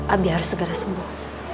abih harus segera sembuh